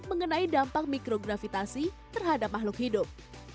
mengenai dampak mikrogravitasi terhadap makhluk hidup